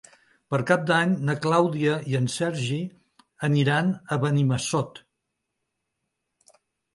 Per Cap d'Any na Clàudia i en Sergi aniran a Benimassot.